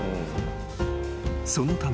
［そのため］